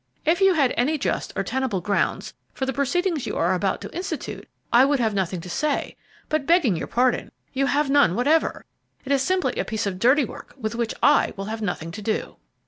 If you had any just or tenable grounds for the proceedings you are about to institute, I would have nothing to say; but, begging your pardon, you have none whatever; it is simply a piece of dirty work with which I will have nothing to do."